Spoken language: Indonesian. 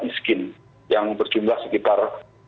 iskin yang berjumlah sekitar